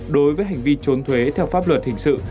đối với hành vi trốn thuế theo pháp luật hình sự